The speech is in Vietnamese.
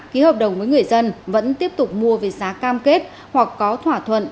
ký hợp đồng với người dân vẫn tiếp tục mua về giá cam kết hoặc có thỏa thuận